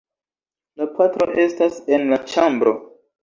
La patro estas en la ĉambro.